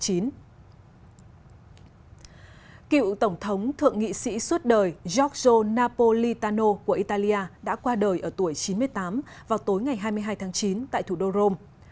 các nghị sĩ suốt đời giorgio napolitano của italia đã qua đời ở tuổi chín mươi tám vào tối hai mươi hai tháng chín tại thủ đô rome